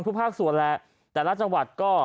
ภาคส่วนแหละแต่ละจังหวัดก็